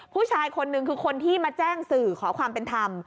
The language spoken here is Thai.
ผู้ชายคนนึงคือคนที่มาแจ้งสื่อขอความเป็นธรรม